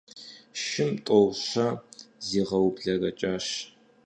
Шым тӀэу-щэ зигъэублэрэкӀащ.